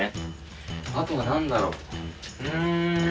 あとは何だろううん。